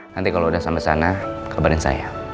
nanti kalau udah sampai sana kabarin saya